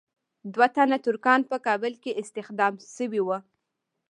دوه تنه ترکان په کابل کې استخدام شوي وو.